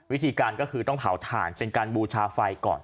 วิธีการก็คือต้องเผาถ่านเป็นการบูชาไฟก่อน